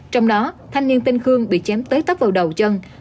trong đó thanh niên tên khương bị chém tới tấp vào đầu chân